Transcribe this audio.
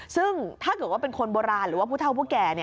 ซึ่งถ้าเกิดว่าเป็นคนโบราณหรือว่าผู้เท่าผู้แก่